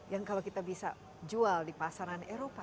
yang kalau kita bisa jual di pasaran eropa